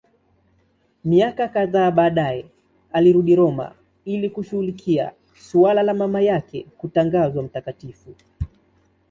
Miaka kadhaa baadaye alirudi Roma ili kushughulikia suala la mama yake kutangazwa mtakatifu.